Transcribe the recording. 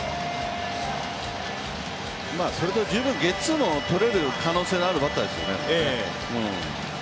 それと十分ゲッツーのとれる可能性のあるピッチャーですよね。